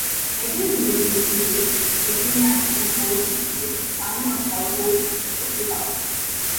Neighbouring villages include Kessingland and Covehithe with the town of Southwold to the south.